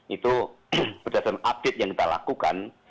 itu berdasarkan update yang kita lakukan